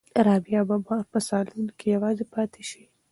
رابعه به په صالون کې یوازې پاتې شي.